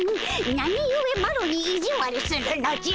なにゆえマロにいじわるするのじゃ。